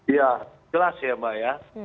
ya jelas ya mbak ya